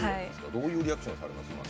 どういうリアクションされますか？